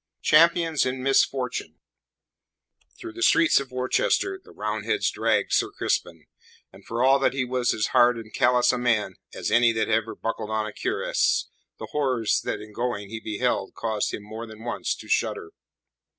COMPANIONS IN MISFORTUNE Through the streets of Worcester the Roundheads dragged Sir Crispin, and for all that he was as hard and callous a man as any that ever buckled on a cuirass, the horrors that in going he beheld caused him more than once to shudder.